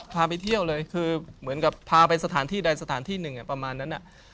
พาไปเที่ยวเลยคือเหมือนกับพาไปสถานที่ใดสถานที่หนึ่งประมาณนั้น